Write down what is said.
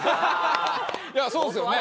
いやそうですよね。